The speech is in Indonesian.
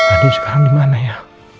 andin sekarang dimana ya